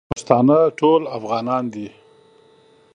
پښتانه ټول افغانان دی